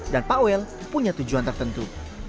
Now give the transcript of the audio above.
dan pak wel punya tujuan tertentu